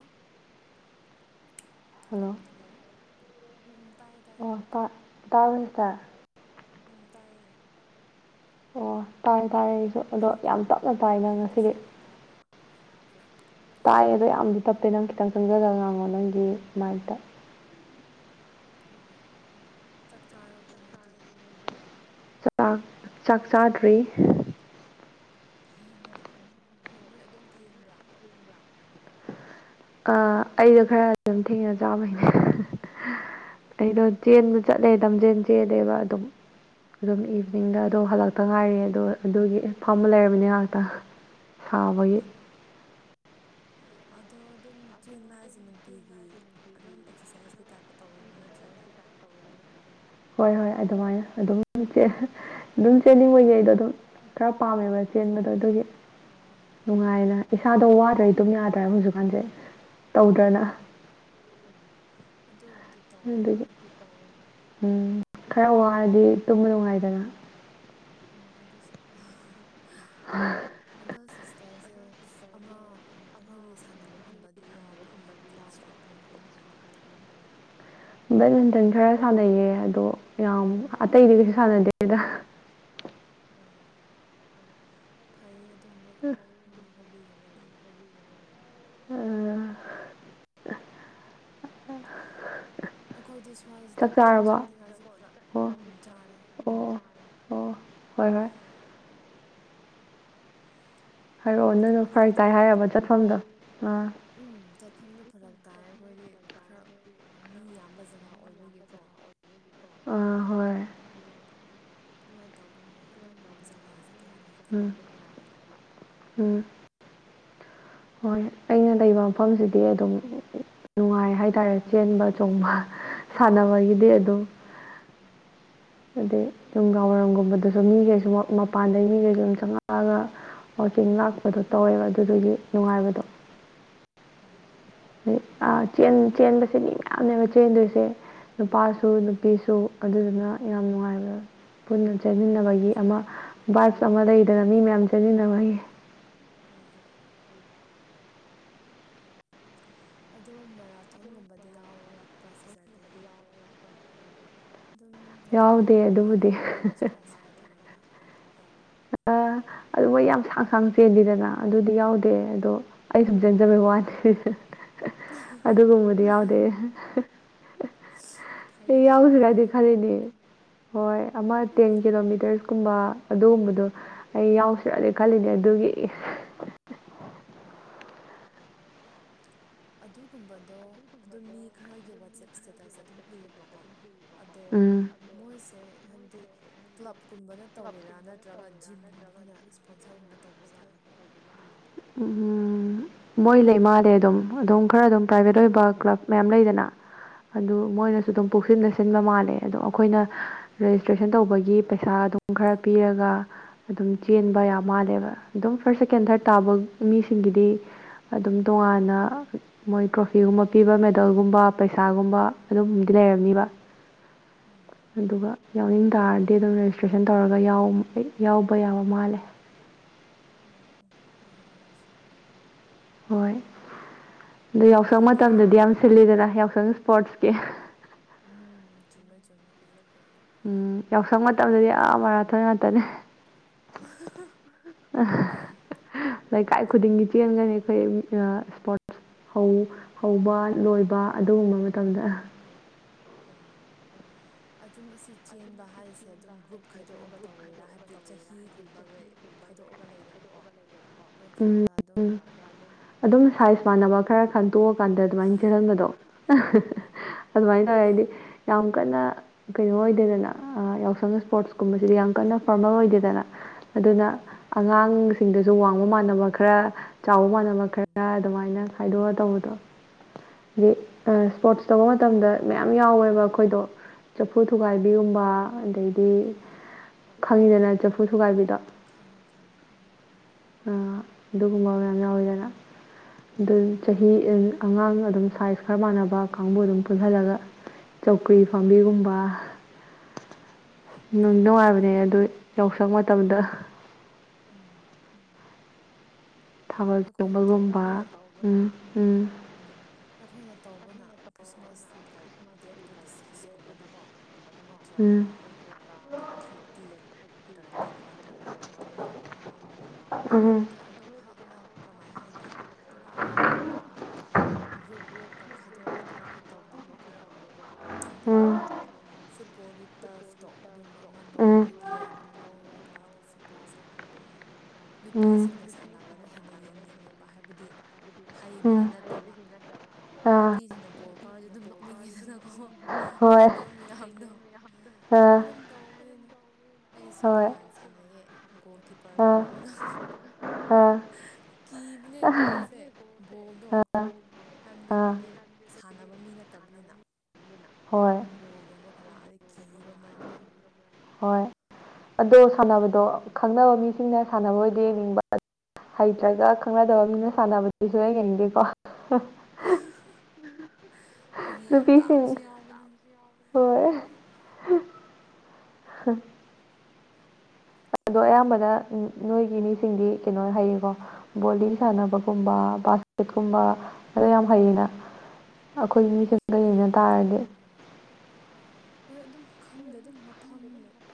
ꯑ ꯍꯜꯂꯣ ꯎꯝ ꯎꯝ ꯇꯥꯏꯌꯦ ꯇꯥꯏꯌꯦ ꯑꯣ ꯇ ꯇꯥ ꯑꯣꯏꯇꯥ ꯨꯝ ꯇꯌꯦ ꯑꯣ ꯇꯥꯔꯦ ꯇꯥꯔꯦ ꯑꯩꯁꯨ ꯑꯗꯣ ꯌꯥꯝ ꯇꯞꯅ ꯇꯥꯏꯅ ꯑꯩꯒꯤꯗꯤ ꯉꯁꯤꯗꯤ ꯁꯦꯡꯅ ꯇꯥꯕ꯭ꯔꯥ ꯍꯥꯏꯌꯦ ꯑꯗꯣ ꯌꯥꯝꯗꯤ ꯇꯞꯄꯦ ꯅꯪ ꯈꯤꯇꯪ ꯆꯪꯖꯔꯒ ꯉꯥꯡꯉꯣ ꯅꯪꯒꯤ ꯃꯥꯏꯠꯇ ꯍꯣꯏ ꯍꯣꯏ ꯆꯥꯛ ꯆꯥꯔꯕꯣ ꯅꯣꯏꯗꯤ ꯥꯛ ꯆꯥꯛ ꯆꯥꯗ꯭ꯔꯤ ꯊꯦꯡꯉꯤꯅꯦꯀꯣ ꯑꯗ ꯅꯣꯏ ꯑꯗꯨꯝ ꯊꯦꯡꯕ꯭ꯔꯥ ꯑ ꯑꯩꯗꯣ ꯈꯔ ꯑꯗꯨꯝ ꯊꯦꯡꯅ ꯆꯥꯕꯩꯅꯦ ꯑꯣ ꯑꯩꯗꯣ ꯆꯦꯟꯕ ꯆꯠꯂꯦ ꯂꯝꯝꯖꯦꯟ ꯆꯦꯜꯗꯦꯕ ꯑꯗꯨꯝ ꯑꯗꯨꯝ ꯑꯣ ꯏꯚꯤꯅꯤꯡꯗ ꯑꯗꯣ ꯍꯜꯂꯛꯇ ꯉꯥꯏꯔꯤ ꯑꯗꯣ ꯑꯗꯨꯒꯤ ꯐꯝꯕ ꯂꯩꯔꯕꯔꯕꯅꯤꯅꯦ ꯉꯥꯏꯍꯥꯛꯇꯪ ꯁꯕꯩ ꯑꯠꯆꯥ [unintelligible] ꯑꯗꯣ ꯑꯗꯨꯝ ꯆꯦꯟꯕ ꯍꯥꯏꯁꯦ ꯅꯨꯡꯇꯤꯒꯤ ꯑꯗꯨꯝ ꯑꯦꯛꯁꯔꯁꯥꯏꯁꯀꯤ ꯇꯥꯏꯞꯇ ꯇꯧꯋꯤꯔꯣ ꯅꯠꯇ꯭ꯔꯒ [unintelligible] ꯍꯣꯏ ꯍꯣꯏ ꯑꯗꯨꯃꯥꯏꯅ ꯑꯗꯨꯝ ꯑꯗꯨꯝ ꯆꯦꯟꯅꯤꯡꯉꯩꯉꯩꯗꯣ ꯑꯗꯨꯝꯔ ꯄꯥꯝꯃꯦꯕ ꯆꯦꯟꯕꯗꯣ ꯑꯣ ꯑꯗꯨꯒꯤ ꯑꯣ ꯅꯨꯡꯉꯥꯏꯅ ꯏꯁꯥꯗꯣ ꯋꯥꯗ꯭ꯔꯩ ꯑꯗꯨꯝ ꯌꯥꯗ꯭ꯔꯕ ꯍꯧꯖꯤꯛꯀꯥꯟꯁꯦ ꯇꯧꯗ꯭ꯔꯅ ꯑꯣ ꯑꯗꯨꯕꯨꯗꯤ ꯇꯧꯋꯦ ꯑꯗꯨꯒꯤ ꯍꯣꯏ ꯎꯝ ꯈꯔ ꯋꯥꯔꯗꯤ ꯇꯨꯝꯕ ꯅꯨꯡꯉꯥꯏꯗꯅ ꯑꯣ ꯑꯗꯨꯁꯨ ꯑꯗꯣ ꯁꯤ ꯇꯔꯁꯦ ꯑꯃ ꯑꯩꯈꯣꯏꯒꯤ ꯁꯥꯟꯅꯕꯒꯨꯝꯕꯗꯗꯤ ꯌꯥꯎꯕ꯭ꯔꯣ ꯍꯥꯏꯕꯗꯤ ꯑꯦꯛꯁꯇ꯭ꯔꯥ ꯀꯔꯤꯀꯨꯂꯝ ꯑꯣꯏ ꯩꯅ ꯕꯦꯠꯃꯤꯟꯇꯟ ꯈꯔ ꯁꯥꯟꯅꯩꯌꯦ ꯑꯗꯣ ꯌꯥꯝ ꯑꯇꯩꯗꯤ ꯀꯩꯁꯨ ꯁꯥꯟꯅꯗꯦꯗ ꯑꯣ ꯐꯩꯌꯦ ꯑꯗꯨꯒꯝꯕ ꯍꯣꯕꯤꯒꯨꯝꯕ ꯂꯩꯕꯗꯣ ꯎ ꯑꯩꯈꯣꯏꯗꯤ ꯁ꯭ꯋꯥꯏꯁꯤꯗꯀꯣ ꯆꯠꯅꯤꯡꯉꯥꯏꯁꯨ ꯐꯔꯛ ꯑꯣ ꯎ ꯆꯥꯔꯦ ꯑꯣ ꯑꯣ ꯍꯣꯏ ꯍꯣꯏ ꯍꯥꯏꯔꯛꯑꯣ ꯅꯪꯅ ꯐꯔ ꯑꯩꯈꯣꯏꯗꯤ ꯇꯥꯏ ꯍꯥꯏꯔꯕ ꯆꯠꯐꯝꯗꯣ ꯑꯥ ꯎꯝ ꯆꯠꯐꯝꯗꯨ ꯐꯔꯛ ꯇꯥꯏ ꯑꯩꯈꯣꯏꯗꯤ ꯈꯔ ꯃꯤ ꯌꯥꯝꯕ ꯖꯒꯥ ꯑꯣꯏꯕꯒꯤꯀꯣ ꯑꯥ ꯑꯗꯨꯒ ꯍꯣꯏ ꯑꯗꯨꯝ ꯑꯗꯨꯃꯥꯏꯅ ꯇꯧꯗꯅ ꯑꯗꯨꯝ ꯖꯒꯥꯁꯦ ꯀꯌꯥ ꯂꯩꯇꯕ ꯎꯝ ꯑꯗꯨꯒ ꯎꯝ ꯍꯣꯏ ꯑꯩꯅ ꯂꯩꯕ ꯃꯐꯝꯁꯤꯗꯤ ꯑꯗꯨꯝ ꯅꯨꯡꯉꯥꯏ ꯍꯥꯏꯇꯥꯔꯦ ꯆꯦꯟꯕ ꯆꯣꯡꯕ ꯁꯥꯟꯅꯕꯒꯤꯗꯤ ꯑꯗꯨꯝ ꯎꯝ ꯑꯗꯩ ꯅꯨꯡꯗꯥꯡ ꯋꯥꯏꯔꯝꯒꯨꯝꯕꯗꯁꯨ ꯃꯤꯈꯩꯁꯨ ꯃꯄꯥꯟꯗꯒꯤ ꯃꯤꯈꯩꯁꯨ ꯁꯨꯝ ꯆꯪꯉꯛꯑꯒ ꯋꯥꯆꯤꯡ ꯂꯥꯛꯄꯗꯣ ꯇꯧꯋꯦꯕ ꯑꯗꯨꯗꯨꯒꯤ ꯅꯨꯡꯉꯥꯏꯕꯗꯣ ꯑꯣ ꯆꯦꯟꯕꯁꯦ ꯃꯤ ꯃꯌꯥꯝꯅꯦꯕ ꯆꯦꯟꯗꯣꯏꯁꯦ ꯅꯨꯄꯥꯁꯨ ꯑꯣ ꯅꯨꯄꯤꯁꯨ ꯑꯗꯨꯗꯨꯅ ꯌꯥꯝ ꯅꯨꯡꯉꯥꯏꯕ ꯄꯨꯟꯅ ꯆꯦꯟꯃꯤꯟꯅꯕꯒꯤ ꯑꯃ ꯕꯥꯛ ꯑꯃ ꯂꯩꯗꯅ ꯃꯤ ꯃꯌꯥꯝ ꯆꯦꯟꯃꯤꯟꯅꯕꯒꯤ ꯍꯣꯏ ꯍꯣꯏ ꯑꯗꯣ ꯃꯔꯥꯊꯣꯟꯒꯨꯝꯕꯗꯤ ꯌꯥꯎꯔꯛꯄ꯭ꯔꯥ ꯁꯤꯦꯖꯔꯗꯤ ꯑꯗꯨꯝ ꯌꯥꯎꯗꯦ ꯂꯩꯗꯅꯀꯣ ꯑꯗꯨꯕꯨꯗꯤ ꯃꯔꯥꯊꯣꯟꯒꯨꯝꯕ ꯑꯗꯨꯝ ꯏꯁꯄꯣꯟꯁꯔ ꯇꯧꯔꯒ ꯛ ꯀꯥꯡ ꯆꯦꯟꯜꯂꯤꯗꯅ ꯑꯗꯨꯗꯤ ꯌꯥꯎꯗꯦ ꯑꯗꯣ ꯑꯩ ꯁꯨꯝ ꯆꯟꯖꯕꯩ ꯋꯥꯅꯤ ꯑꯗꯨꯒꯨꯝꯕꯗꯤ ꯌꯥꯎꯗꯦ ꯑꯩ ꯐꯩꯌꯦꯗ ꯌꯥ ꯍꯧꯁꯤ ꯑꯗꯨꯅ ꯀꯥꯏꯗꯤ ꯍꯦꯟꯅ ꯈꯔꯅꯤ [inaudible] [unintelligible] ꯍꯣꯏ ꯑꯃ ꯇꯦꯟ ꯀꯤꯂꯣꯃꯤꯇꯔꯁꯀꯨꯝꯕ ꯑꯗꯨꯒꯨꯝꯕꯗꯣ ꯑꯩ ꯌꯥꯎꯁꯤꯔꯛꯂꯦ ꯈꯜꯂꯤꯅꯦ ꯑꯗꯨꯒꯤ [inaudible] [unintelligible] [inaudible] [unintelligible] ꯑꯗꯨꯒꯨꯝꯕꯗꯣ ꯑꯗꯨꯝ ꯃꯤ ꯈꯔꯒꯤ ꯋꯥꯆꯦꯞ ꯏꯁꯇꯦꯇꯁ ꯑꯗꯨꯝ ꯎꯏꯕꯀꯣ ꯑꯗꯣ ꯎꯝ ꯃꯣꯏꯁꯦ ꯍꯥꯏꯕꯗꯤ ꯀ꯭ꯂꯕ ꯒ ꯨꯝꯕꯅ ꯇꯧꯕꯤꯔꯥ ꯅꯠꯇ꯭ꯔꯒ ꯖꯤꯝꯒꯨꯝꯕ ꯑꯩꯈꯣꯏꯅ ꯁ꯭ꯄꯣꯟꯁꯔꯒꯨꯝꯕ ꯇꯧꯕꯖꯥꯠꯂꯣꯀꯣ ꯑꯗꯨꯝꯕꯗꯣ ꯎꯝ ꯃꯣꯏ ꯂꯩ ꯏ ꯃꯥꯥꯂꯦ ꯑꯗꯨꯝ ꯑꯗꯨꯝ ꯈꯔ ꯑꯗꯨꯝ ꯄ꯭ꯔꯥꯏꯚꯦꯠ ꯑꯣꯏꯕ ꯀ꯭ꯂꯕ ꯃꯌꯥꯝ ꯂꯩꯗꯅ ꯑꯗꯨ ꯑꯣ ꯃꯣꯏꯅꯁꯨ ꯑꯗꯨꯝ ꯄꯨꯛꯁꯤꯟꯅꯁ ꯆꯤꯟꯕ ꯃꯥꯜꯂꯦ ꯑꯗꯣ ꯑꯩꯈꯣꯏꯅ ꯔꯦꯖꯤꯁꯇ꯭ꯔꯦꯁꯟ ꯇꯧꯕꯒꯤ ꯄꯩꯁꯥ ꯑꯗꯨꯝ ꯈꯔ ꯄꯤꯔꯒ ꯑꯗꯨꯝ ꯆꯦꯟꯕ ꯌꯥꯝ ꯃꯥꯜꯂꯦꯕ ꯑꯗꯨꯝ ꯐꯥꯔꯁ ꯁꯦꯀꯦꯟ ꯊꯥꯔꯠ ꯇꯥꯕ ꯃꯤꯁꯤꯡꯒꯤꯗꯤ ꯑꯗꯨꯝ ꯇꯣꯉꯥꯟꯅ ꯃꯣꯏ ꯇ꯭ꯔꯣꯐꯤꯒꯨꯝꯕ ꯄꯤꯕ ꯃꯦꯗꯜꯒꯨꯝꯕ ꯄꯩꯁꯥꯒꯨꯝꯕ ꯑꯗꯨꯝꯗꯤ ꯂꯩꯔꯝꯅꯤꯕ ꯎꯝ ꯑꯗꯨꯒ ꯌꯥꯎꯅꯤꯡ ꯇꯥꯔꯗꯤ ꯑꯗꯨꯝ ꯔꯦꯖꯤꯁꯇ꯭ꯔꯦꯁꯟ ꯇꯧꯔꯒ ꯑꯩ ꯌꯥꯎꯕ ꯌꯥꯕ ꯃꯥꯜꯂꯦ ꯎꯝ ꯎ ꯐꯩ ꯑꯗꯨꯁꯨ ꯍꯣꯏ ꯑꯗꯨ ꯌꯥꯎꯁꯪ ꯑꯩꯗꯤ ꯃꯇꯝꯗꯗꯤ ꯀꯔꯤ ꯌꯥꯝ ꯁꯤꯜꯂꯤꯗꯅ ꯌꯥꯎꯁꯪ ꯏꯁꯄꯣꯔꯠꯁꯀꯤ ꯎꯝ ꯆꯨꯝꯃꯦ ꯆꯨꯝꯃꯦꯃꯦ ꯎꯝ ꯌꯥꯎꯁꯪ ꯃꯇꯝꯗꯗꯤ ꯌꯥꯝ ꯃꯔꯔꯥꯊꯣꯏ ꯉꯥꯛꯇꯅꯦ ꯑ ꯂꯩꯀꯥꯏ ꯈꯨꯗꯤꯡꯒꯤ ꯆꯦꯟꯒꯅꯤ ꯑꯩꯈꯣꯏ ꯏꯁꯄꯣꯔꯠꯁ ꯍꯧꯕ ꯂꯣꯏꯕ ꯑꯗꯨꯒꯨꯝꯕ ꯃꯇꯝꯗ ꯑꯣ ꯑꯗꯨꯝ ꯑꯁꯤ ꯆꯦꯟꯕ ꯍꯥꯏꯁꯦ ꯑꯗꯨꯝ ꯒ꯭ꯔꯨꯞ ꯈꯥꯏꯗꯣꯛꯑꯒ ꯇꯧꯔꯤꯦꯔ ꯍꯥꯏꯕꯗꯤ ꯆꯍꯤꯒꯨꯝꯕꯒ ꯊꯗꯣꯛꯑꯒ ꯂꯩꯗꯅꯀꯣ ꯎꯝ ꯅꯠꯇ꯭ꯔꯒ ꯑꯗꯨꯝ ꯎꯝ ꯑꯗꯨꯝ ꯁꯥꯏꯖ ꯃꯥꯟꯅꯕ ꯈꯔ ꯈꯪ ꯇꯣꯛꯑꯀꯥꯟꯗ ꯑꯗꯨꯃꯥꯏꯅ ꯆꯦꯜꯍꯟꯕꯗꯣ ꯑꯣ ꯑꯗꯨꯃꯥꯏꯅ ꯇꯧꯋꯦ ꯍꯥꯏꯗꯤ ꯌꯥꯝ ꯌꯥꯝ ꯀꯟꯅ ꯀꯩꯅꯣ ꯑꯣꯏꯗꯦꯗꯅ ꯌꯥꯎꯁꯪ ꯑꯣ ꯏꯁꯄꯣꯔꯠꯁꯀꯨꯝꯕꯁꯤꯗꯤ ꯌꯥꯝ ꯀꯟꯅ ꯐꯣꯔꯃꯦꯜ ꯑꯣꯏꯗꯦꯗꯅ ꯑꯗꯨꯅ ꯎꯝ ꯑꯉꯥꯡꯁꯤꯡꯗꯁꯨ ꯋꯥꯡꯃ ꯃꯥꯟꯅꯕ ꯈꯔ ꯆꯥꯎꯕ ꯃꯥꯟꯅꯕ ꯈꯔ ꯎꯝ ꯑꯗꯨꯃꯥꯏꯅ ꯈꯥꯏꯗꯣꯛꯑ ꯇꯧꯕꯗꯣ ꯍꯥꯏꯗꯤ ꯏꯁꯄꯣꯔꯠꯁ ꯇꯧꯕ ꯃꯇꯝꯗ ꯃꯌꯥꯝ ꯌꯥꯎꯋꯦꯕ ꯑꯩꯈꯣꯏꯗꯣ ꯆꯐꯨ ꯎꯝ ꯊꯨꯒꯥꯏꯕꯤꯒꯨꯝꯕ ꯑꯗꯩꯗꯤ ꯑꯥ ꯈꯪꯉꯤꯗꯅ ꯆꯐꯨ ꯊꯨꯒꯥꯏꯕꯤꯗꯣ ꯈꯉ ꯈꯉ ꯍ ꯑꯗꯨꯒꯨꯝꯕ ꯃꯌꯥꯝ ꯌꯥꯎꯋꯤꯗꯅ ꯑꯗꯨ ꯎꯝ ꯆꯍꯤ ꯑꯉꯥꯡ ꯑꯗꯨꯝ ꯁꯥꯏꯖ ꯈꯔ ꯃꯥꯟꯅꯕ ꯀꯥꯡꯕꯨ ꯑꯗꯨꯝ ꯄꯨꯜꯓꯜꯂꯒ ꯆꯧꯀ꯭ꯔꯤ ꯐꯥꯝꯕꯤꯒꯨꯝꯕ [unintelligible] ꯅꯨꯡ ꯅꯨꯡꯉꯥꯏꯕꯅꯦ ꯅꯨꯡꯉꯥꯏꯔꯝꯅꯤ ꯑꯗꯨ ꯌꯥꯎꯁꯪ ꯃꯇꯝꯗ ꯎꯝ ꯊꯥꯕꯜ ꯑꯩꯈꯣꯏꯅ ꯆꯣꯡꯕꯜꯒꯨꯝꯕ ꯇꯧꯕꯅ ꯎꯝ ꯎꯝ ꯑꯩꯈꯣꯏꯅ ꯇꯧꯕꯅ ꯈ꯭ꯔꯤꯁꯃꯥꯁꯇꯨ ꯂꯥꯏꯛ ꯗꯦꯠ ꯇ꯭ꯋꯦꯟꯇꯤ ꯁꯤꯛꯁꯀꯨꯝꯕꯗꯀꯣ ꯅꯠꯇ꯭ꯔꯒ ꯎꯝ ꯗꯦꯠ ꯊꯥꯔꯇꯤ ꯍꯥꯏꯇꯥꯔꯒ ꯗꯦꯠ ꯋꯥꯟꯒꯨꯝꯕꯗ ꯑꯗꯨꯝ ꯇꯧꯅꯩꯌꯦꯕꯀꯣ ꯑꯉꯥꯡ ꯑꯩꯈꯣꯏꯕꯨꯗꯤ ꯑꯗꯨꯛ ꯍꯅ ꯍꯥꯏꯅꯤꯒ꯭ꯔ ꯒ꯭ꯔꯨꯞꯀ ꯈꯥꯏꯗꯣꯛꯑꯒ ꯑꯗꯨꯃꯛꯇꯤ ꯇꯧꯗꯦꯕꯀꯣ ꯑꯗꯣ ꯎꯝ ꯐꯨꯠꯕꯣꯜꯒꯤ ꯇꯔꯐꯇꯣ ꯑꯗꯨꯝꯕ ꯑꯃ ꯎꯝ ꯅꯣꯡꯃꯒꯤ ꯑꯗꯨꯝ ꯂꯧꯔꯒ ꯑꯗ ꯐꯨꯠꯕꯣꯜ ꯁꯥꯟꯅꯕ ꯎꯝ ꯎꯝ ꯅꯨꯄꯤꯁꯤꯡꯅ ꯁꯥꯟꯅꯕꯅ ꯍ ꯍꯦꯟꯅ ꯌꯦꯡꯅꯤꯡꯉꯦꯕ ꯍꯥꯏꯕꯗꯤ ꯎꯝ ꯍꯩꯕꯒꯤ ꯅꯠꯇꯕ ꯑꯥ ꯅꯨꯄꯤꯁꯤꯅ ꯕꯣꯜ ꯀꯥꯔꯗꯤ ꯑꯗꯨꯝ ꯅꯣꯛꯅꯤꯡꯉꯤꯗꯅꯀꯣ ꯍꯣꯏ ꯍꯩꯇꯕ ꯃꯌꯥꯝꯗꯣ ꯑꯥ ꯑꯗꯨꯝ ꯇꯧꯕꯅꯤꯅ ꯑꯩꯁꯨ ꯍꯣꯏ ꯅꯍꯥꯟ ꯁꯥꯟꯅꯩꯑꯌꯦ ꯒꯣꯜ ꯀꯤꯞꯄꯔꯒ ꯑꯥ ꯑꯣꯏꯔꯒ ꯑꯥ ꯀꯕꯅꯦ ꯑꯥ ꯣꯜꯁꯦ ꯣꯜꯗꯣ ꯍꯥꯏꯕꯗꯤ ꯑꯥ ꯑꯩꯈꯣꯏꯗꯤ ꯁꯥꯟꯅꯕ ꯃꯤ ꯅꯠꯇꯕꯅꯤꯅ ꯍꯣꯏ ꯅꯣꯡꯒꯣꯜꯒꯨꯝꯕ ꯀꯂꯥꯗ ꯀꯤꯕ ꯃꯔꯛꯇ ꯍꯣꯏ ꯑꯗꯣ ꯁꯥꯟꯅꯕꯗꯣ ꯈꯪꯅꯕ ꯃꯤꯁꯤꯡꯅ ꯁꯥꯟꯅꯕ ꯑꯣꯏꯗꯤ ꯌꯦꯡꯅꯤꯡꯕ ꯍꯩꯇ꯭ꯔꯒ ꯈꯪꯅꯗꯕ ꯃꯤꯅ ꯁꯥꯟꯅꯕꯗꯤꯁꯨ ꯂꯩꯒꯅꯤꯗꯦꯀꯣ ꯐꯥꯒꯤ ꯌꯥꯝ ꯇꯥꯕꯁꯨ ꯌꯥꯎꯕꯅꯤ [unintelligible] ꯑꯗꯣ ꯑꯌꯥꯝꯕꯗ ꯅꯣꯏꯒꯤ ꯃꯤꯁꯤꯡꯗꯤ ꯀꯩꯅꯣ ꯍꯩꯌꯦꯀꯣ ꯕꯣꯗꯤꯡ ꯁꯥꯟꯅꯕꯒꯨꯝꯕ ꯐ ꯀ ꯌꯦꯅ ꯎꯝ ꯇꯥꯔꯗꯤ ꯍꯣꯏ ꯑꯗꯨꯝ ꯈꯪꯗꯦ ꯑꯗꯨꯝ ꯃꯐꯝ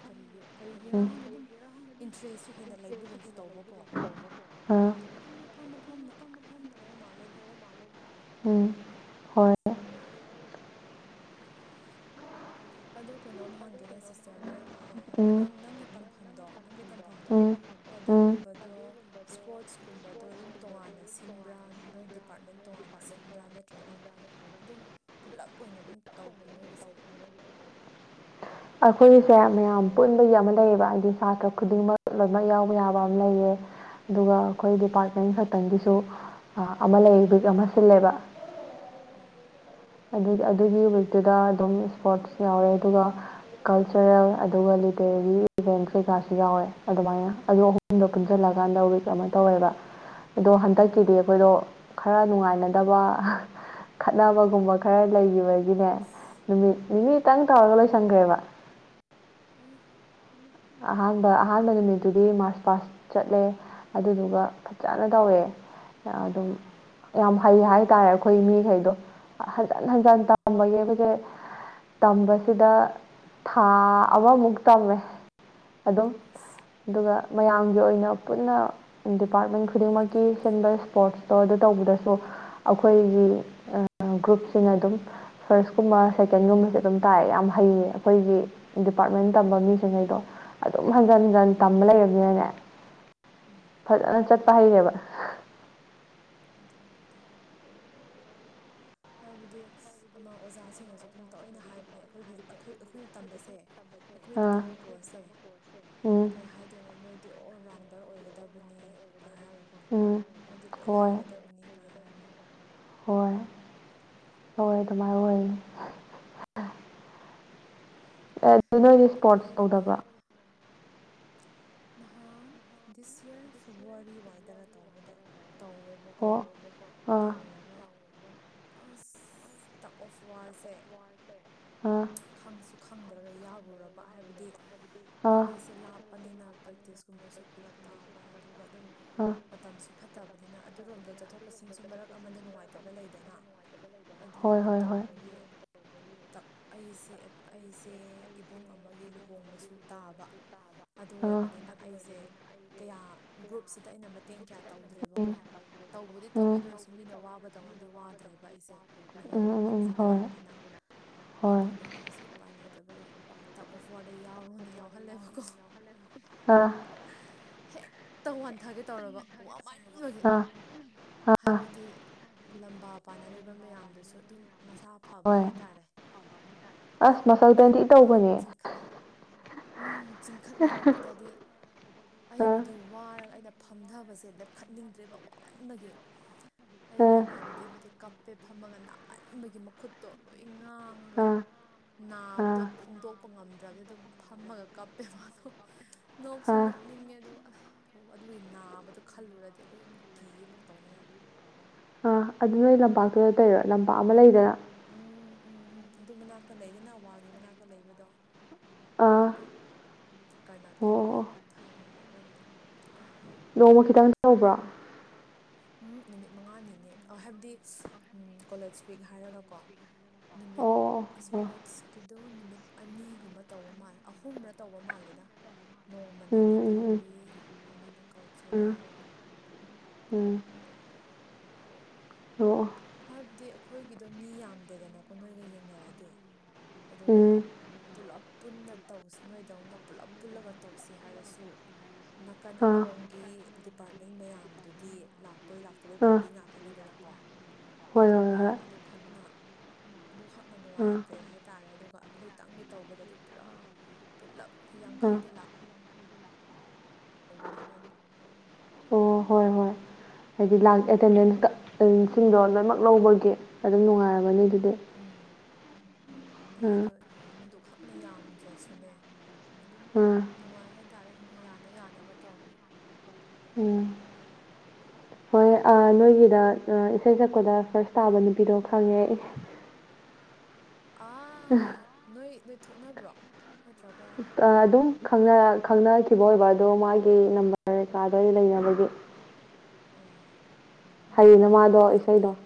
ꯀꯔꯤꯒꯤ ꯀꯔꯤꯒꯤꯔ ꯎꯝ ꯍꯥꯟꯅ ꯑꯗꯨꯝ ꯏꯟꯇ꯭ꯔꯦꯁꯁꯨ ꯍꯦꯟꯅ ꯂꯩꯕꯒꯨꯝꯁꯨ ꯇꯧꯕꯀꯣ ꯑꯥ ꯑꯗꯨꯃꯥꯏꯅ ꯇꯧꯋꯦ ꯑꯗꯨꯝ ꯃꯐꯝ ꯃꯐꯝꯗ ꯇꯧ ꯃꯥꯂꯦꯗ ꯎꯝ ꯍꯣꯏ ꯑꯗꯣ ꯀꯩꯅꯣꯝ ꯍꯪꯒꯦꯅꯦ ꯁꯤꯁꯇꯔ ꯅꯣꯏ ꯎꯝ ꯅ ꯅꯪꯅ ꯇꯝꯐꯝꯗꯣ ꯅꯪꯒꯤ ꯇꯝꯐꯝꯗꯣ ꯎꯝ ꯎꯝ ꯑꯗꯨꯒꯨꯝꯕꯗꯣ ꯏꯁꯄꯣꯔꯠꯁꯀꯨꯝꯕꯗꯣ ꯑꯗꯨꯝ ꯇꯣꯉꯥꯟꯅ ꯁꯤꯟꯕ꯭ꯔꯥ ꯅꯣꯏ ꯗꯤꯄꯥꯔꯠꯃꯦꯟ ꯇꯣꯉꯥꯟ ꯃ ꯃꯥꯟꯅ ꯁꯤꯟꯕ꯭ꯔꯥ ꯅꯠꯇ꯭ꯔꯒ ꯑꯗꯨꯝ ꯄꯨꯂꯞ ꯑꯣꯏꯅ ꯑꯗꯨꯝ ꯇꯧꯕ꯭ꯔꯥ ꯅꯣꯏꯒꯤꯁꯦ ꯑꯩꯈꯣꯏꯁꯦ ꯃꯌꯥꯝ ꯄꯨꯟꯕꯒꯤ ꯑꯃ ꯂꯩꯌꯦꯕ ꯍꯥꯏꯗꯤ ꯁꯥꯇ꯭ꯔ ꯈꯨꯗꯤꯡꯃꯛ ꯂꯣꯏꯅꯃꯛ ꯌꯥꯎꯕ ꯌꯥꯕ ꯑꯃ ꯂꯩꯌꯦ ꯑꯗꯨꯒ ꯑꯩꯈꯣꯏ ꯑꯣ ꯗꯤꯄꯥꯔꯠꯃꯦꯟ ꯈꯛꯇꯪꯒꯤꯁꯨ ꯑꯃ ꯂꯩ ꯋꯤꯛ ꯑꯃ ꯁꯤꯜꯂꯦꯕ ꯎ ꯑꯗꯨ ꯑꯗꯨꯒꯤ ꯋꯤꯛꯇꯨꯗ ꯑꯗꯨꯝ ꯏꯁꯄꯣꯔꯠꯁ ꯌꯥꯎꯔꯦ ꯑꯗꯨꯒ ꯀꯜꯆꯔꯦꯜ ꯑꯗꯨꯒ ꯂꯤꯇꯔꯦꯔꯤ ꯏꯚꯦꯟ ꯀꯩꯀꯥꯁꯨ ꯌꯥꯎꯋꯦ ꯑꯗꯨꯃꯥꯏꯅ ꯑꯗꯨ ꯑꯍꯨꯝꯗ ꯄꯨꯟꯁꯤꯜꯂꯑꯦ ꯆ ꯀꯥꯟꯗ ꯋꯤꯛ ꯑꯃ ꯇꯧꯋꯦꯕ ꯑꯗꯣ ꯎꯝ ꯍꯟꯗꯛꯀꯤꯗꯤ ꯑꯩꯈꯣꯏꯗꯣ ꯈꯔ ꯅꯨꯡꯉꯥꯏꯅꯗꯕ ꯈꯠꯅꯕꯒꯨꯝꯕ ꯈꯔ ꯂꯩꯌꯨ ꯑꯣꯏꯒꯤꯅꯦ ꯑꯁ ꯅꯨꯃꯤ ꯅꯨꯃꯤ ꯎꯝ ꯇꯥꯡ ꯇꯧꯒꯂ ꯁꯪꯈꯦꯕ ꯑꯩ ꯑꯍꯥꯡꯕ ꯑꯍꯥꯟꯕ ꯅꯨꯃꯤꯠꯇꯨꯗꯤ ꯃꯥꯔꯁ ꯄꯥꯁ ꯆꯠꯂꯦ ꯑꯗꯨꯗꯨꯒ ꯐꯖꯅ ꯇꯧꯋꯦ ꯑꯗꯨꯝ ꯎꯝ ꯌꯥꯝ ꯍꯩ ꯍꯥꯏꯇꯥꯥꯔꯦ ꯑꯩꯈꯣꯏ ꯃꯤꯈꯩꯗꯣ ꯍꯟꯖꯤꯟ ꯍꯟꯖꯟ ꯑꯣ ꯇꯝꯕꯒꯤꯕꯁꯦ ꯇꯝꯕꯁꯤꯗ ꯊꯥ ꯑꯃꯃꯨꯛ ꯇꯝꯃꯦ ꯑꯗꯨꯝ ꯑꯁ ꯑꯗꯨꯒ ꯃꯌꯥꯝꯒꯤ ꯑꯣꯏꯅ ꯄꯨꯟꯅ ꯗꯤꯄꯥꯔꯠꯃꯦꯟ ꯈꯨꯗꯤꯡꯃꯛꯀꯤ ꯁꯤꯟꯕ ꯁ꯭ꯄꯣꯔꯠꯁꯇꯣ ꯑꯗꯨ ꯇꯧꯕꯗꯁꯨ ꯑꯩꯈꯣꯏꯒꯤ ꯒ꯭ꯔꯨꯞꯁꯤꯅ ꯑꯗꯨꯝ ꯐꯥꯔꯁꯀꯨꯝꯕ ꯁꯦꯀꯦꯟꯒꯨꯝꯕꯁꯦ ꯑꯗꯨꯝ ꯇꯥꯏꯑ ꯌꯥꯝ ꯍꯩꯌꯦ ꯑꯩꯈꯣꯏꯒꯤ ꯗꯤꯄꯥꯔꯠꯃꯦꯟ ꯇꯝꯕ ꯃꯤꯁꯤꯡꯉꯩꯗꯣ ꯑꯗꯨꯝ ꯍꯟꯖꯟ ꯑꯣ ꯍꯟꯖꯟ ꯇꯝꯕ ꯂꯩꯅꯤꯅꯅꯦ ꯎꯝ ꯐꯖꯅ ꯆꯠꯄ ꯍꯩꯔꯦꯕ ꯑ ꯑꯗꯨꯗꯝꯕꯦ ꯍꯥꯏꯕꯗꯤ ꯑꯃ ꯑꯣꯖꯥꯁꯤꯡꯅꯁꯨ ꯑꯗꯨꯝ ꯇꯑꯣꯏꯅ ꯍꯥꯏꯕꯅꯦ ꯑꯩꯈꯣꯏꯒꯤ ꯑꯩꯈꯣꯏ ꯑꯩꯈꯣꯏꯅ ꯇꯝꯕꯁꯦ ꯑꯩꯈꯣꯏꯗ ꯑꯥ ꯇꯝꯕ ꯀꯣꯔꯁꯦ ꯎꯝ ꯀꯩ ꯍꯥꯏꯗꯣꯏꯅꯣ ꯅꯣꯏ ꯗꯤ ꯑꯣꯜ ꯔꯥꯎꯟꯗꯔ ꯑꯣꯏꯒꯗꯕꯅꯤ ꯀ ꯍꯥꯏꯔꯒꯀꯣ ꯎꯝ ꯅꯣꯏꯗꯤ ꯂꯣꯏ ꯍꯣꯏ ꯍꯩꯒꯗꯕꯅꯤꯒ ꯍꯥꯏꯔꯒ ꯑꯣꯏ ꯑꯗꯨꯃꯥꯏ ꯑꯣꯏꯣꯏ ꯑꯦ ꯑꯗꯨ ꯅꯣꯏꯗꯤ ꯈꯪꯗꯦꯗ ꯏꯁꯄꯣꯔꯠꯁ ꯑꯩꯅ ꯇꯧꯗꯕ꯭ꯔꯥ ꯅꯍꯥꯟ ꯅꯍꯥꯟ ꯗꯤꯁ ꯌꯔ ꯐꯦꯕꯋꯥꯔꯤ ꯋꯥꯏꯗꯔ ꯇꯧꯕꯗꯣ ꯇꯧꯋꯦꯕꯀꯣ ꯑꯣ ꯑꯥ ꯇꯧꯔꯒ ꯑꯁ ꯇꯛ ꯑꯣꯐ ꯋꯥꯔꯁꯦ ꯑꯥ ꯈꯪꯁꯨ ꯈꯪꯗ꯭ꯔꯒ ꯌꯥꯔꯨꯔꯕ ꯍꯥꯏꯕꯗꯤ ꯑꯥ ꯑꯩꯈꯣꯏꯁꯦ ꯂꯥꯞꯄꯅꯤꯅ ꯨꯝ ꯐꯔꯛ ꯇꯥꯕ ꯑꯗꯨꯒ ꯑꯗꯨꯝ ꯑꯥ ꯃꯇꯝ ꯐ ꯐꯠꯇꯕꯅꯤꯅ ꯑꯗꯨꯔꯣꯝꯗꯣ ꯆꯠꯊꯣꯛ ꯆꯠꯁꯤꯟꯁꯨ ꯃꯔꯛ ꯑꯃꯗ ꯅꯨꯡꯉꯥꯏꯇꯕ ꯂꯩꯗꯅ ꯑꯗꯨ ꯍꯣꯏ ꯍꯣꯏ ꯍꯣꯏ ꯇꯧꯕꯒꯤ ꯑꯩꯁꯦ ꯑꯩꯁꯦ ꯏꯕꯨꯡ ꯑꯃꯒꯤ ꯂꯨꯍꯣꯡꯕꯁꯨ ꯇꯥꯕ ꯑꯗꯨ ꯑꯥ ꯑꯣꯏꯕꯗꯤ ꯅꯤꯅ ꯑꯩꯁꯦ ꯀꯌꯥ ꯒ꯭ꯔꯨꯞꯁꯤꯗ ꯑꯩꯅ ꯃꯇꯦꯡ ꯀꯌꯥ ꯇꯧꯗ꯭ꯔꯦꯕꯀꯣ ꯇꯧꯕꯗꯤ ꯇꯧꯋꯦ ꯎꯝ ꯑꯗꯨ ꯑꯣꯏꯔꯁꯨ ꯃꯤꯅ ꯋꯥꯕꯗꯧꯅꯗꯤ ꯋꯥꯗ꯭ꯔꯦꯕ ꯑꯩꯁꯦ ꯎꯝ ꯂꯨꯍꯣꯡꯕ ꯎꯝ ꯎꯝ ꯍꯣꯏ ꯐꯪꯖꯤꯟꯅꯔꯕꯅꯤꯅ ꯍꯣꯏ ꯑꯗꯨꯗ ꯑꯩꯁꯨꯦ ꯎꯄꯥꯏ ꯂꯩꯇꯕꯩ ꯇꯛ ꯑꯣꯐ ꯋꯥꯔꯗ ꯌꯥꯎꯔꯣꯅ ꯌꯥꯎꯍꯜꯂꯦꯕꯀꯣ [unintelligible] ꯑꯥ ꯍꯦꯛꯇ ꯋꯥꯟꯊꯒꯦ ꯇꯧꯔꯕ ꯋꯥꯃꯥꯏꯅ ꯑꯥ ꯑꯥ ꯍꯥꯏꯕꯗꯤ ꯂꯝꯕꯥ ꯄꯥꯅꯔꯤꯕ ꯃꯌꯥꯝꯗꯨꯁꯨ ꯑꯗꯨꯝ ꯃꯁꯥ ꯐꯕ ꯍꯣꯏ ꯍꯥꯏ ꯇꯔꯦ ꯑꯁ ꯃꯁꯜ ꯄꯦꯟꯗꯤ ꯏ ꯇꯧꯕꯅꯦ ꯆꯤꯡꯈꯠ ꯆꯤꯡꯈꯠꯅꯔꯛꯄꯗꯗꯤ ꯑꯥ ꯑꯩꯕꯨꯗꯤ ꯋꯥꯔꯒ ꯑꯩꯅ ꯐꯝꯊꯕꯁꯦ ꯂꯦꯞꯈꯠꯅꯤꯡꯗ꯭ꯔꯦꯕ ꯋꯥꯃꯟꯕꯒꯤ ꯑꯩꯒꯤ ꯑꯥ ꯏꯃꯥꯟꯅꯕꯤ ꯑꯃꯗꯤ ꯀꯞꯄꯦ ꯐꯝꯃꯒ ꯅꯥꯝꯃꯟꯕꯒꯤ ꯃꯈꯨꯠꯇꯣ ꯂꯣꯏ ꯉꯥꯡꯉꯒ ꯑꯥ ꯅꯥꯕꯗꯣ ꯑꯥ ꯐꯣꯡꯗꯣꯛꯄ ꯉꯝꯗ꯭ꯔꯕꯗꯤ ꯑꯗꯨꯝ ꯐꯝꯃꯒ ꯀꯞꯄꯦ ꯃꯥꯗꯣ ꯅꯣꯛꯁꯨ ꯑꯥ ꯅꯣꯛꯅꯤꯡꯉꯦ ꯑꯗꯨꯒ ꯑꯗꯨꯒꯤ ꯅꯥꯕꯗꯣ ꯈꯜꯂꯨꯔꯗꯤ ꯑꯩ ꯑꯃꯨꯛ ꯀꯤ ꯑꯃꯨꯛ ꯇꯧꯅꯤꯡꯉꯥꯏ ꯎ ꯑꯥ ꯑꯗꯨ ꯅꯣꯏ ꯂꯝꯄꯥꯛꯇꯨꯗ ꯇꯩꯔꯣ ꯂꯝꯄꯥꯛ ꯑꯃ ꯂꯩꯗꯅ ꯎꯝ ꯎꯝ ꯎꯝ ꯎꯝ ꯑꯗꯨ ꯃꯅꯥꯛꯇ ꯂꯩꯗꯅ ꯋꯥꯒꯤ ꯃꯅꯥꯛꯇ ꯂꯩꯕꯗꯣ ꯑꯥ ꯑꯗꯨꯗ ꯑꯣ ꯀꯔꯅꯥꯠꯀꯨꯝꯕ ꯑꯣ ꯑꯣ ꯂꯣꯏꯅꯃꯛ ꯊꯍꯜꯂꯒ ꯑꯗꯨꯗ ꯅꯣꯡꯃ ꯈꯤꯇꯪ ꯇꯧꯕ꯭ꯔꯥ ꯎꯝ ꯅꯨꯃꯤꯠ ꯃꯉꯥꯅꯤꯅꯦ ꯍꯥꯏꯕꯗꯤ ꯀꯣꯂꯦꯖ ꯋꯤꯛ ꯍꯥꯏꯔꯒꯀꯣ ꯑꯣ ꯅꯨꯃꯤꯠ ꯑꯣ ꯑꯣ ꯏꯁꯄꯣꯔꯠꯁꯀꯤꯗꯣ ꯅꯨꯃꯤꯠ ꯑꯅꯤꯒꯨꯝꯕ ꯇꯧꯕ ꯃꯥꯜꯂꯦ ꯑꯍꯨꯝꯔ ꯇꯧꯕ ꯃꯥꯜꯂꯦꯗ ꯅꯣꯡꯃꯅ ꯎꯝ ꯎꯝ ꯂꯤꯇꯔꯦꯔꯤ ꯑꯃꯅ ꯎꯝ ꯀꯜꯆꯔꯦꯜ ꯎꯝ ꯎꯝ ꯑꯣ ꯑꯣ ꯍꯥꯏꯕꯗꯤ ꯑꯩꯈꯣꯏꯒꯤꯗꯣ ꯃꯤ ꯌꯥꯝꯗꯦꯗꯅꯀꯣ ꯅꯣꯏꯒ ꯌꯦꯡꯅꯔꯗꯤ ꯑꯗꯨꯒ ꯎꯝ ꯄꯨꯂꯞ ꯄꯨꯟꯅꯧ ꯅꯣꯏꯗꯧꯅ ꯄꯨꯂꯞ ꯄꯨꯜꯂꯒ ꯇꯧꯁꯤ ꯍꯥꯏꯔꯁꯨ ꯅꯥꯀꯟ ꯑꯥ ꯑꯃꯔꯣꯝꯒꯤ ꯗꯤꯄꯥꯔꯠꯃꯦꯟ ꯃꯌꯥꯝꯗꯨꯗꯤ ꯂꯥꯛꯄꯣꯏ ꯂꯥꯛꯇꯕꯣꯏ ꯑꯥ ꯄꯥꯔꯇꯤ ꯉꯥꯛꯀꯅꯤꯗꯅꯀꯣ ꯍꯣꯏ ꯍꯣꯏ ꯑꯗꯨꯒ ꯍꯣꯏ ꯑꯗꯨꯈꯛꯅ ꯑꯗꯨ ꯍꯛꯅꯥ ꯑꯥ ꯅꯨꯡꯉꯥꯏꯇ꯭ꯔꯦ ꯍꯥꯏꯇꯥꯔꯦ ꯑꯗꯨꯒ ꯑꯩꯈꯣꯏꯇꯪꯒꯤ ꯇꯧꯕꯗꯗꯤ ꯄꯨꯔꯥ ꯄꯨꯂꯞ ꯑꯥ ꯌꯥꯡꯈꯩꯗ ꯂꯥꯛ ꯇꯧꯕꯅꯤꯅ ꯑꯗꯨꯝ ꯑꯣ ꯍꯣꯏ ꯍꯣꯏ ꯍꯥꯏꯗꯤ ꯂꯥꯛ ꯑꯦꯇꯦꯟꯗꯦꯟꯁ ꯁꯤꯡꯗꯣ ꯂꯣꯏꯅꯃꯛ ꯂꯧꯕꯒꯤ ꯑꯗꯨꯝ ꯅꯨꯡꯉꯥꯏꯔꯕꯅꯤ ꯑꯗꯨꯗꯤ ꯍꯨ ꯎꯝ ꯎꯝ ꯃꯤꯗꯣ ꯑꯗꯨ ꯈꯛꯅ ꯌꯥꯝꯗ꯭ꯔꯁꯨꯅꯦ ꯑꯗꯨꯝ ꯑꯥ ꯅꯨꯡꯉꯥꯏ ꯍꯥꯏꯇꯥꯔꯦ ꯌꯥꯅ ꯌꯥꯅꯕ ꯇꯧꯈ꯭ꯔꯦ ꯎꯝ ꯍꯣꯏ ꯅꯣꯏꯒꯤꯗ ꯏꯁꯩ ꯁꯛꯄꯗ ꯐꯥꯔꯁ ꯇꯥꯕ ꯅꯨꯄꯤꯗꯣ ꯈꯪꯉꯦ ꯑ ꯑꯥ ꯅꯣꯏ ꯅꯣꯏ ꯊꯣꯛꯅꯕ꯭ꯔꯣ ꯅꯠꯇ꯭ꯔꯒ ꯑꯗꯨꯝ ꯈ‌ꯪꯅꯥ ꯈꯪꯅꯈꯤꯕ ꯑꯣꯏꯕ ꯑꯗꯣ ꯃꯥꯒꯤ ꯅꯝꯕꯔ ꯑꯃꯦꯔꯤꯀꯥꯗ ꯂꯩꯅꯕꯒꯤ ꯑꯥ ꯍꯌꯦꯅ ꯃꯥꯗꯣ ꯏꯁꯩꯗꯣ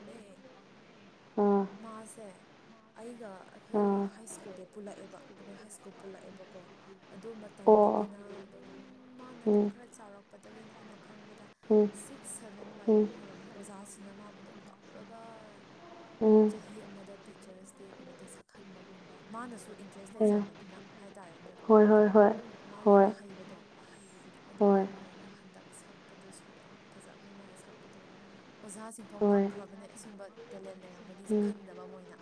ꯑꯥ ꯃꯥꯁꯦ ꯑꯩꯒ ꯑꯩꯈꯣꯏ ꯑꯥ ꯍꯥꯏ ꯁ꯭ꯀꯨꯜꯗ ꯄꯨꯜꯂꯛꯑꯦꯕ ꯑꯩꯈꯣꯏ ꯍꯥꯏ ꯁ꯭ꯀꯨꯜ ꯄꯨꯜꯂꯛꯑꯦꯕꯀꯣ ꯑꯗꯨ ꯃꯇꯝ ꯑꯣ ꯑꯣ ꯑꯗꯒꯤꯅ ꯑꯗꯨꯝ ꯃꯥꯅ ꯑꯗꯨꯝ ꯎꯝ ꯈꯔ ꯆꯥꯎꯔꯛꯄꯗꯒꯤꯅ ꯑꯩꯅ ꯈꯪꯕꯗ ꯎꯝ ꯁꯤꯛꯁ ꯁꯚꯦꯟ ꯋꯥꯏꯗ ꯎꯝ ꯑꯗꯨꯝ ꯍꯧꯔꯝꯃꯤꯅꯤ ꯑꯣꯖꯥꯁꯤꯡꯅ ꯃꯥꯕꯨ ꯑꯗꯨꯝ ꯀꯧꯔꯒꯥ ꯎꯝ ꯆꯍꯤ ꯑꯃꯗꯥ ꯇꯤꯆꯔꯁ ꯗꯦꯒꯨꯝꯕꯗ ꯁꯛꯍꯟꯕꯒꯨꯝꯕ ꯃꯥꯅꯁꯨ ꯏꯟꯇ꯭ꯔꯦꯁ ꯑꯥ ꯂꯩꯖꯕꯅꯤꯅꯥ ꯍꯥꯏꯇꯥꯔꯦꯅꯦꯀꯣ ꯍꯣꯏ ꯍꯣꯏ ꯍꯣꯏ ꯑꯗꯨꯝ ꯃꯥꯒꯤ ꯍꯣꯏ ꯑꯍꯩꯕꯗꯣ ꯑꯗꯨ ꯍꯣꯏ ꯑꯣꯏꯔꯕꯅꯤꯅ ꯍꯟꯗꯛ ꯁꯛꯄꯗꯁꯨ ꯌꯥꯝ ꯐꯖꯕꯅꯦ ꯃꯥꯥꯏꯅ ꯁꯛꯄꯗꯣ ꯑꯣꯖꯥꯁꯤꯡꯐꯥꯎ ꯍꯣꯏ ꯉꯛꯈ꯭ꯔꯕꯅꯦ ꯑꯁꯤꯒꯨꯝꯕ ꯇꯦꯂꯦꯟ ꯂꯩꯔꯝꯒꯅꯤꯁꯦ ꯎꯝ ꯈꯟꯗꯕ ꯑꯃ ꯑꯣꯏꯅ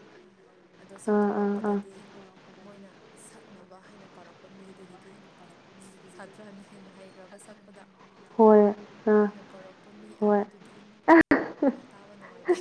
ꯑꯗꯣ ꯑꯥ ꯑꯥ ꯑꯥ ꯁꯛꯇꯣꯔꯛꯄꯗꯗꯤ ꯃꯣꯏꯅ ꯁꯛꯅꯕ ꯍꯥꯏꯅ ꯀꯧꯔꯛꯄ ꯃꯤꯗꯒꯤꯗꯤ ꯁꯥꯇ꯭ꯔꯅ ꯍꯦꯟꯅ ꯍꯩꯈ꯭ꯔꯕ ꯁꯛꯄꯗ ꯍꯣꯏ ꯑꯥ ꯃꯣꯏꯅ ꯀꯧꯔꯛꯄ ꯃꯤ ꯍꯣꯏ ꯑꯃꯗꯨꯗꯤ ꯀꯌꯥ ꯇꯥꯕ ꯅꯨꯡꯉꯥꯏꯇꯦ